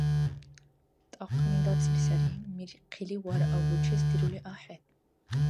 ТӀакьни дацӀли сари, мирхъили варъа бучес дирули ахӀен.